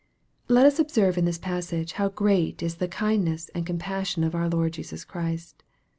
Let us observe in this passage how great is the kindness and compassion of our Lord Jesus Christ.